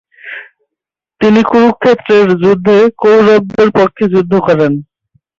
তিনি কুরুক্ষেত্রের যুদ্ধে কৌরবদের পক্ষে যুদ্ধ করেন।